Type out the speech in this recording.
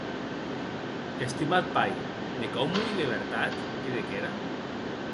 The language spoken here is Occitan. Estimat pair, me cau morir de vertat?, didec era.